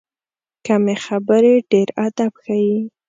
کمې خبرې، ډېر ادب ښیي.